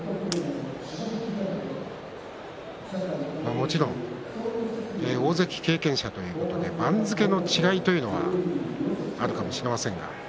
もちろん、大関経験者ということで番付の違いというのはあるかもしれませんが。